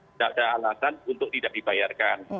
tidak ada alasan untuk tidak dibayarkan